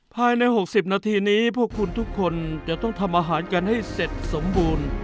ภายใน๖๐นาทีนี้พวกคุณทุกคนจะต้องทำอาหารกันให้เสร็จสมบูรณ์